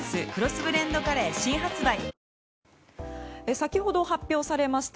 先ほど発表されました